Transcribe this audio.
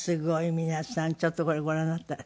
皆さんちょっとこれご覧になって。